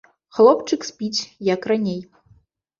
Хлопчык спіць, як раней.